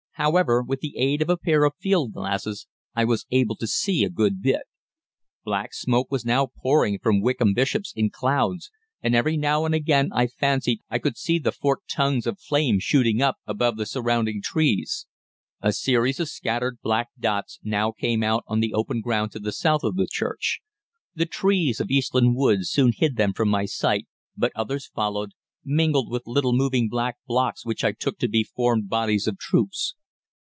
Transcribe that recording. However, with the aid of a pair of field glasses I was able to see a good bit. Black smoke was now pouring from Wickham Bishops in clouds, and every now and again I fancied I could see the forked tongues of flame shooting up above the surrounding trees. A series of scattered black dots now came out on the open ground to the south of the church. The trees of Eastland Wood soon hid them from my sight, but others followed, mingled with little moving black blocks which I took to be formed bodies of troops.